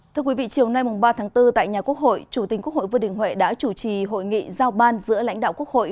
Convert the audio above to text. thưa quý vị chiều nay ba tháng bốn tại nhà quốc hội chủ tịch quốc hội vương đình huệ đã chủ trì hội nghị giao ban giữa lãnh đạo quốc hội